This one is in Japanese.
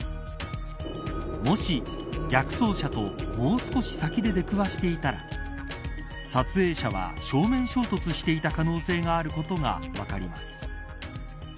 もし、逆走車ともう少し先で出くわしていたら撮影者は正面衝突していた可能性があることが分かります。